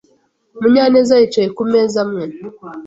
Munyanez yicaye ku meza amwe.